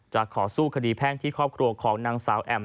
จะขอสู้คดีแพ่งที่ครอบครัวของนางสาวแอม